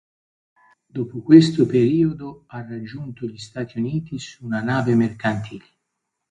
Dopo questo periodo ha raggiunto gli Stati Uniti su una nave mercantile.